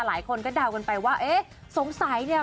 หลายคนก็เดากันไปว่าเอ๊ะสงสัยเนี่ย